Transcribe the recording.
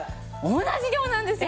同じ量なんですよ。